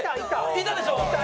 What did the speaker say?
いたでしょ？